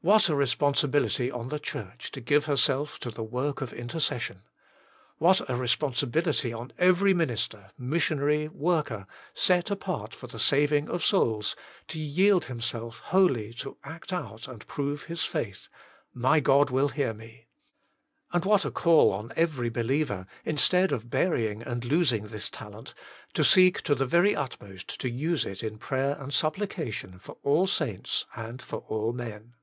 What a responsibility on the Church to give herself to the work of intercession ! What a responsibility on every minister, missionary, worker, set apart for the saving of souls, to yield himself wholly to act out and prove his faith :" My God will hear me !" And what a call on every believer, instead of burying and losing this talent, to seek to the very utmost to use it in prayer and supplication MY GOD WILL HEAR ME 151 for all saints and for all men.